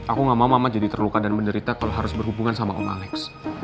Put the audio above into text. aku gak mau mama jadi terluka dan menderita kalau harus berhubungan sama om alex